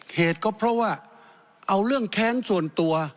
เหตุก็เพราะว่าเอาเรื่องแค้นส่วนตัว